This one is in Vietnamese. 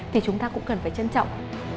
thì chúng ta cũng cần phải trân trọng